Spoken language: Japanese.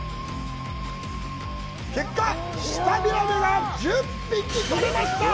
結果、シタビラメが１０匹とれました。